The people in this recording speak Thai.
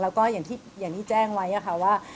แล้วก็อย่างที่แจ้งไว้ค่ะว่า